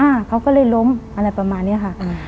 อ่าเขาก็เลยล้มอะไรประมาณเนี้ยค่ะอืม